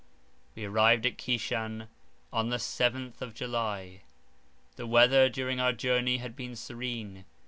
We arrived at Kishan on the 7th of July. The weather during our journey had been serene.